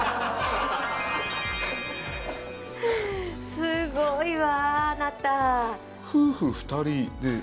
すごいわあなた。